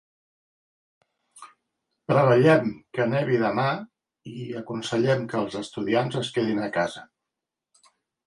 Preveiem que nevi demà i aconsellem que els estudiants es quedin a casa.